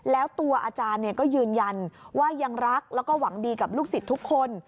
แล้วตัวอาจารย์ก็ยืนยันว่ายังรักแล้วก็หวังดีกับลูกศิษย์ทุกคน